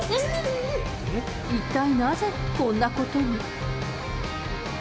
一体なぜこんなことに。